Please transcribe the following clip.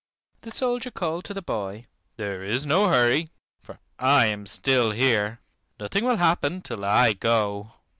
The soldier called to the boy, "There is no hurry, for I am still here. Nothing will happen till I go.